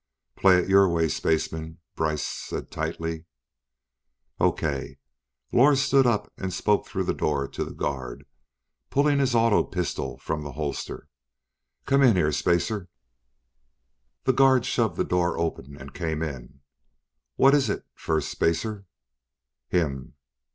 "Play it your way, spaceman," Brice said tightly. "Okay." Lors stood up and spoke through the door to the guard, pulling his auto pistol from the holster. "Come in here, spacer!" The guard shoved the door open and came in. "What is it, Firstspacer?" "Him."